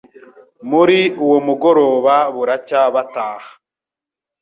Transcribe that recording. muri uwo mugoroba buracya bataha